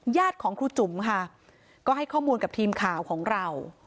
ของครูจุ๋มค่ะก็ให้ข้อมูลกับทีมข่าวของเรา